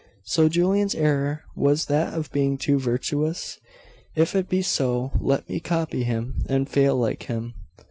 'So Julian's error was that of being too virtuous? If it be so, let me copy him, and fail like him.